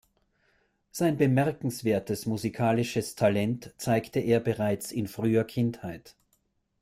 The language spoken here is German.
Sein bemerkenswertes musikalisches Talent zeigte er bereits in früher Kindheit.